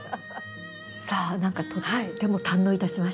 さあ何かとっても堪能いたしました。